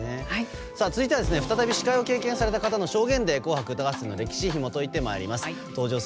続いては再び司会を経験された方の証言で「紅白歌合戦」の歴史をひもといてまいります。